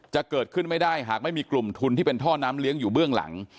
จะเกิดขึ้นไม่ได้หากไม่มีกลุ่มทุนที่เป็นท่อน้ำเลี้ยงอยู่เบื้องหลัง